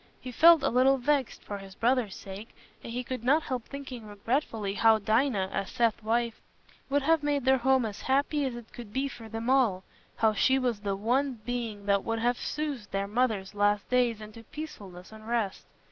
He felt a little vexed, for his brother's sake, and he could not help thinking regretfully how Dinah, as Seth's wife, would have made their home as happy as it could be for them all—how she was the one being that would have soothed their mother's last days into peacefulness and rest.